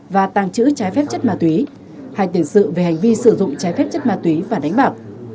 và tàng trữ trái phép chất ma túy hai tiền sự về hành vi sử dụng trái phép chất ma túy và đánh bạc